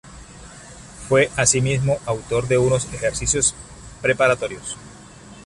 Fue asimismo autor de unos "Ejercicios preparatorios".